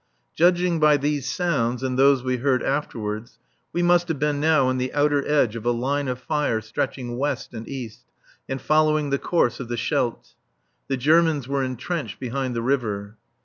Judging by these sounds and those we heard afterwards, we must have been now on the outer edge of a line of fire stretching west and east and following the course of the Scheldt. The Germans were entrenched behind the river.